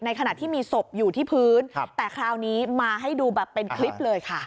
ขณะที่มีศพอยู่ที่พื้นแต่คราวนี้มาให้ดูแบบเป็นคลิปเลยค่ะ